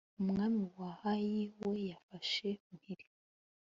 umwami wa hayi we yafashwe mpiri